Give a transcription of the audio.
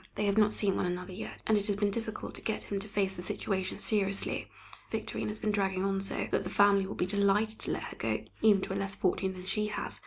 They have not seen one another yet, and it has been difficult to get him to face the situation seriously. Victorine has been dragging on so, that the family will be delighted to let her go, even to a less fortune than she has.